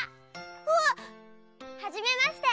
うわ！はじめまして！